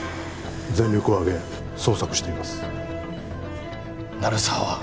全力をあげ捜索しています鳴沢は？